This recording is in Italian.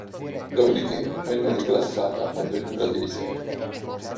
Dopodiché venne declassata a vettura di riserva.